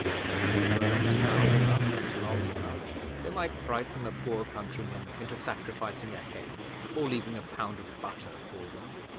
If they groaned loud enough and long enough they might frighten a poor countryman into sacrificing a hen, or leaving a pound of butter for them.